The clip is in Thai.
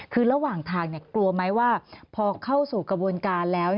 คือระหว่างทางกลัวไหมว่าพอเข้าสู่กระบวนการแล้ว